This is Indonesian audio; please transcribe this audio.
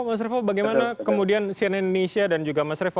mas revo bagaimana kemudian cnn indonesia dan juga mas revo